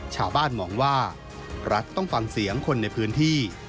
ชาวบ้านมองว่ารัฐต้องฟังเสียงคนในพื้นที่